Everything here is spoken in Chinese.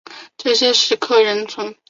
这些石刻仍存。